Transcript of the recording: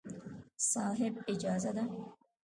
صاحب! اجازه ده.